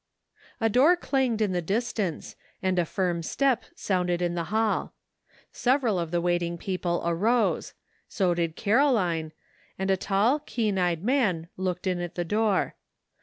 A door clanged in the distance, and a firm step sounded in the hall. Several of the wait ing people arose ; so did Caroline, and a tall, keen eyed man looked in at the door.